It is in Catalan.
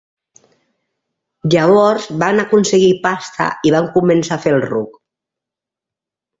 Llavors van aconseguir pasta i van començar a fer el ruc.